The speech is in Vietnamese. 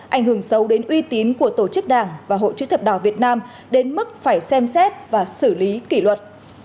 ảnh hưởng sâu đến uy tín của tổ chức đảng và hội chữ thập đỏ việt nam đến mức phải xem xét và xử lý kỷ luật